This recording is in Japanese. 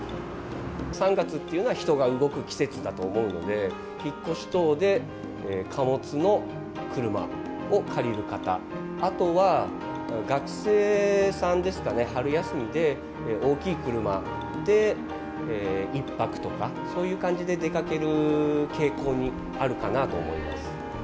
３月っていうのは、人が動く季節だと思うので、引っ越し等で、貨物の車を借りる方、あとは、学生さんですかね、春休みで、大きい車で１泊とか、そういう感じで出かける傾向にあるかなと思います。